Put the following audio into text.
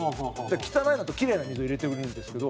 汚いのとキレイな水を入れてるんですけど。